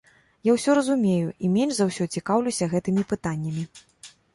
Я ўсё разумею і менш за ўсё цікаўлюся гэтымі пытаннямі.